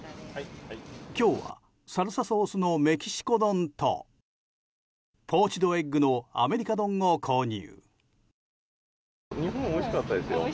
今日はサルサソースのメキシコ丼とポーチドエッグのアメリカ丼を購入。